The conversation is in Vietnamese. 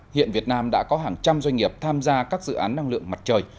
hiện việt nam đã có hàng trăm doanh nghiệp tham gia các dự án năng lượng mặt trời